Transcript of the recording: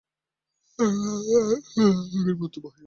তখন আমার কোনো কথা ভাবিয়া দেখিবার সময় ছিল না।